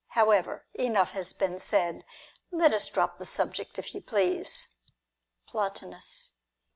However, enough has been said. Let us drop the subject, if you please. Plotinus.